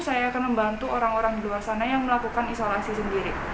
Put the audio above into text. saya akan membantu orang orang di luar sana yang melakukan isolasi sendiri